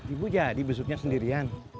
ibu jadi besoknya sendirian